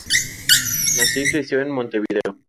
Nació y creció en Montevideo.